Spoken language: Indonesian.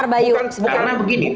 sebentar sebentar bayu